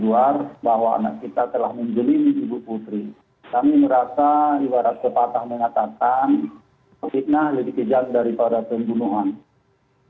fitnah lebih kejam daripada pembunuhan